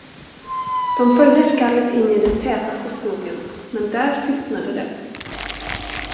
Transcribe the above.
De följde skallet in i den tätaste skogen, men där tystnade det.